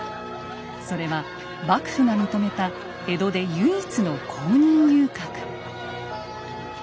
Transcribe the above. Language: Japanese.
それは幕府が認めた江戸で唯一の公認遊郭。